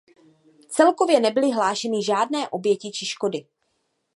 Celkově nebyly hlášeny žádné oběti či škody.